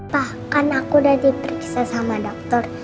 pak kan aku udah diperiksa sama dokter